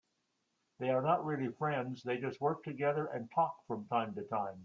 They are not really friends, they just work together and talk from time to time.